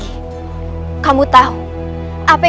anda juga seperti mereka